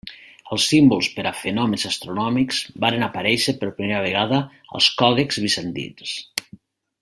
Els símbols per a fenòmens astronòmics varen aparéixer per primera vegada als còdexs bizantins.